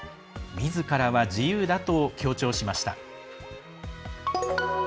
みずからは自由だと強調しました。